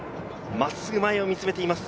真っすぐ前を見つめています。